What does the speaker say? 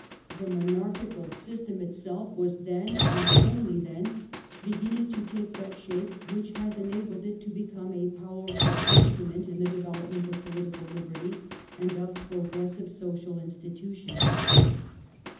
The monarchical system itself was then, and only then, beginning to take that shape which has enabled it to be come a powerful instrument in the development of political hberty and of progressive social institutions.